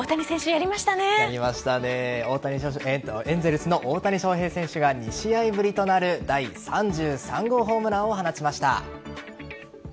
やりましたねエンゼルスの大谷翔平選手が２試合ぶりとなる第３３号ホームランを放ちました。